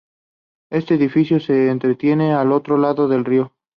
Este edificio se extiende al otro lado del río.